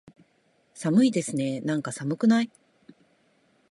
寒いですねーなんか、寒くない？